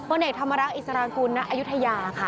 พระเนกธรรมรักษ์อิสรากุณะอยุธยาค่ะ